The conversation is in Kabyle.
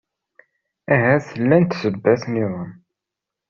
Ahat llant ssebbat-nniḍen.